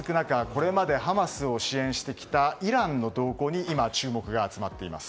これまでハマスを支援してきたイランの動向に今、注目が集まっています。